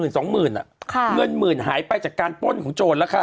เงินหมื่นหายไปจากการป้นของโจรแล้วค่ะ